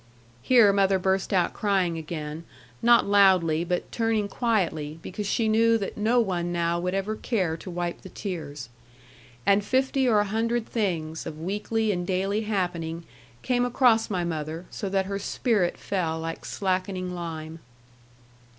Here mother burst out crying again, not loudly, but turning quietly, because she knew that no one now would ever care to wipe the tears. And fifty or a hundred things, of weekly and daily happening, came across my mother, so that her spirit fell like slackening lime.